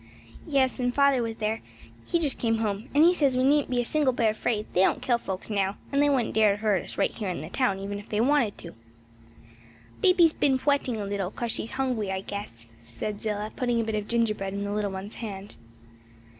"Yes; and father was there he just came home and he says we needn't be a single bit afraid; they don't kill folks now, and they wouldn't dare to hurt us right here in the town; even if they wanted to." "Baby's been fretting a little; 'cause she's hungry, I guess," said Zillah, putting a bit of gingerbread in the little one's hand.